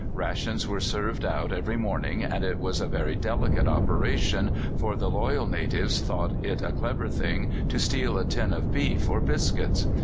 Rations were served out every morning, and it was a very delicate operation, for the loyal natives thought it a clever thing to steal a tin of beef or biscuits.